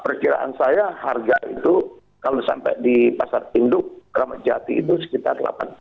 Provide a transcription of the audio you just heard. perkiraan saya harga itu kalau sampai di pasar induk ramadjati itu sekitar delapan puluh